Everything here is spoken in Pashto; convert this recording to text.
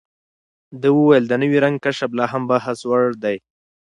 ده وویل، د نوي رنګ کشف لا هم بحثوړ دی.